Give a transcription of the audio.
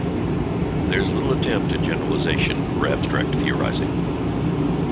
There's little attempt at generalization or abstract theorizing.